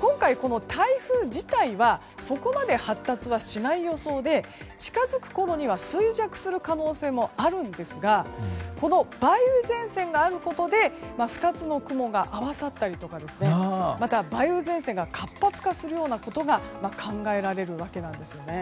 今回、台風自体はそこまで発達はしない予想で近づくころには衰弱する可能性もあるんですがこの梅雨前線があることで２つの雲が合わさったりとかまた、梅雨前線が活発化するようなことが考えられるわけなんですね。